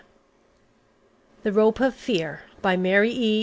VI THE ROPE OF FEAR[D] MARY E.